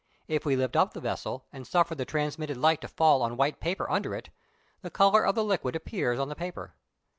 If we lift up the vessel and suffer the transmitted light to fall on white paper under it, the colour of the liquid appears on the paper.